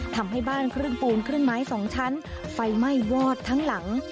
ทำให้บ้านครึ่งปูนครึ่งไม้๒ชั้นไฟไหม้วอดทั้งหลัง